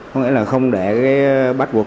có nghĩa là không để cái bắt cuộc